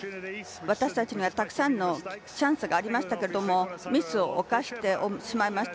私たちにはたくさんのチャンスがありましたけれどもミスを犯してしまいました。